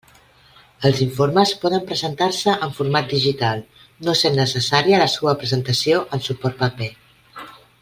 Els informes poden presentar-se en format digital, no sent necessària la seua presentació en suport paper.